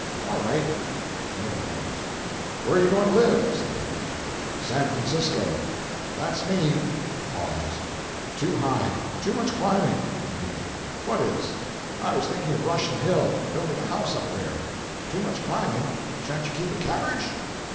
"All right." Another pause. "Where are you going to live?" said Higbie. "San Francisco." "That's me!" Pause. "Too high—too much climbing"—from Higbie. "What is?" "I was thinking of Russian Hill—building a house up there." "Too much climbing? Shan't you keep a carriage?"